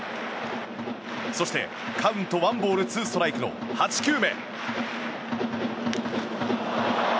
そして、カウントワンボール、ツーストライクの８球目。